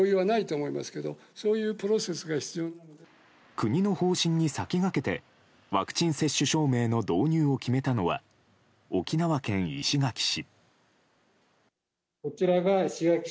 国の方針に先駆けてワクチン接種証明の導入を決めたのは、沖縄県石垣市。